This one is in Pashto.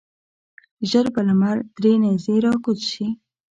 ژر به لمر درې نیزې راکوز شي.